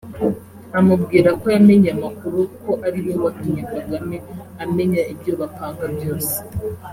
amubwira ko yamenye amakuru ko ariwe watumye Kagame amenya ibyo bapanga byose